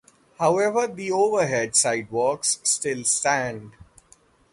However, the overhead sidewalks still stand.